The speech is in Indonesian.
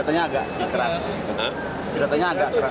tujuannya agak keras